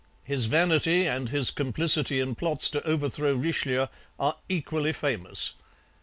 His vanity and his complicity in plots to overthrow Richelieu are equally famous.